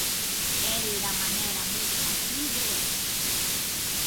Ère era manèra mès facil de hè'c.